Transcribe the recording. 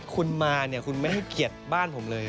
คุณมาเนี่ยคุณไม่ให้เกียรติบ้านผมเลย